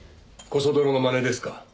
こそ泥のまねですか？